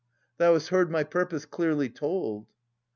Thou hast heard my purpose clearly told.